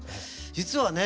実はね